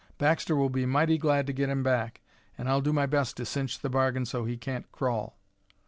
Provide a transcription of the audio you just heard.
"Baxter will be mighty glad to get him back, and I'll do my best to cinch the bargain so he can't crawl."